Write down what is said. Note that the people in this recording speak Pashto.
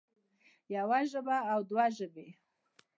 يوه ژبه او دوه ژبې